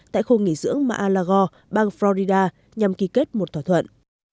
tại khu nghỉ dưỡng ma a lago bang florida nhằm ký kết một thỏa thuận